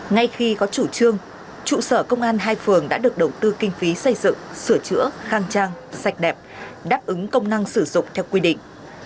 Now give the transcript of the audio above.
ngay khi có chủ trương trụ sở công an hai phường đã được đầu tư kinh phí xây dựng sửa chữa khang trang sạch đẹp đáp ứng công năng sử dụng theo quy định